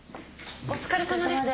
お疲れさまです。